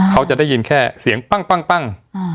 เขาจะได้ยินแค่เสียงปั้ง